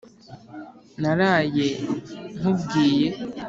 Naraye nkubwiye